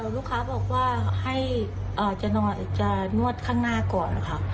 ลูกค้าบอกว่าให้จะนวดข้างหน้าก่อนนะคะ